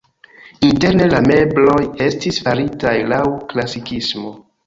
Interne la mebloj estis faritaj laŭ klasikismo.